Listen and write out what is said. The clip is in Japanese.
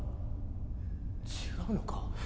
違うのか？